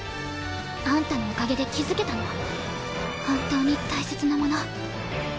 あんたのおかげで気付けたの本当に大切なもの。